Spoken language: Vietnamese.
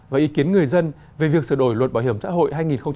và ý kiến người dân về việc sửa đổi luật bảo hiểm xã hội